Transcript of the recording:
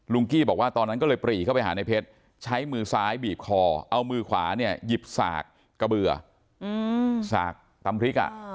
กี้บอกว่าตอนนั้นก็เลยปรีเข้าไปหาในเพชรใช้มือซ้ายบีบคอเอามือขวาเนี่ยหยิบสากกระเบื่อสากตำพริก